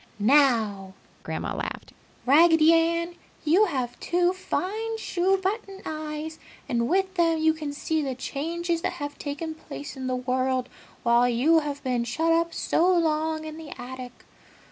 "Now!" Grandma laughed, "Raggedy Ann, you have two fine shoe button eyes and with them you can see the changes that have taken place in the world while you have been shut up so long in the attic!